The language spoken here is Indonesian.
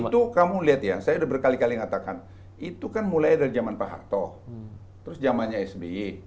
itu kamu lihat ya saya udah berkali kali ngatakan itu kan mulai dari zaman pak harto terus jamannya sby